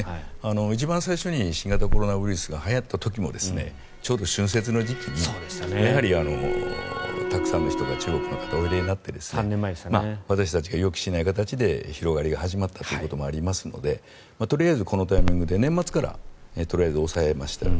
一番最初に新型コロナウイルスがはやった時もちょうど春節の時期にやはりたくさんの人が中国の方がおいでになって私たちが予期しない形で広まりが始まったということもありますのでとりあえずこのタイミングで年末から抑えましたよね。